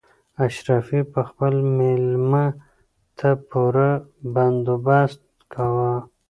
اشرافي به خپل مېلمه ته پوره بندوبست کاوه.